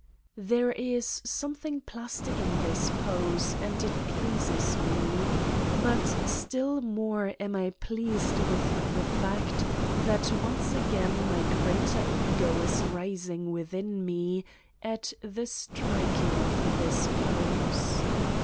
There is something plastic in this pose and it pleases me. But still more am I pleased with the fact that once again my greater Ego is rising with in me at the striking of this pose.